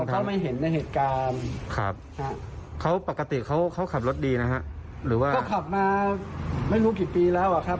ครับครับเขาปกติเขาเขาขับรถดีนะฮะหรือว่าเขาขับมาไม่รู้กี่ปีแล้วอ่ะครับ